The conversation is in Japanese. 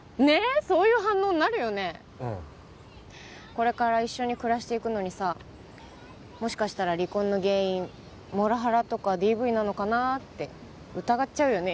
これから一緒に暮らしていくのにさもしかしたら離婚の原因モラハラとかＤＶなのかなって疑っちゃうよね